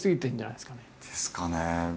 ですかね。